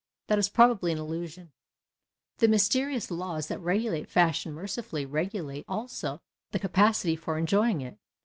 That is probably an illusion. The mysterious laws that regulate fashion mercifully regulate also the capacity for enjoying it.